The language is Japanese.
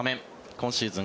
今シーズン